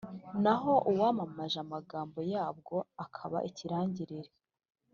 naho uwamamaje amagambo yabwo, akaba ikirangirire.